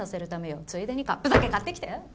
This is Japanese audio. ついでにカップ酒買ってきて！